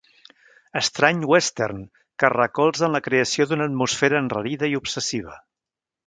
Estrany western que es recolza en la creació d'una atmosfera enrarida i obsessiva.